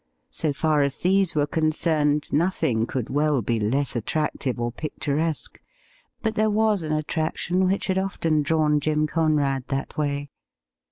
So far as these were concerned, nothing could well be less attractive or picturesque ; but there was an attrac tion which had often drawn Jim Conrad that way.